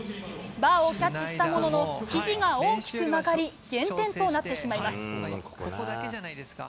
バーをキャッチしたもののひじが大きく曲がり減点となってしまいます。